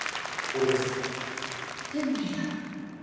文也。